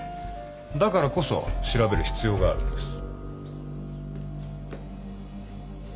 だからこそ調べる必要があるんです。